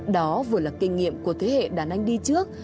đó vừa là kinh nghiệm của thế hệ đàn anh đi trước